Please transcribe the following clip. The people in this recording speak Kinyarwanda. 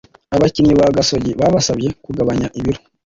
Abakinnyi ba Gasogi babasabye kugabanya ibiro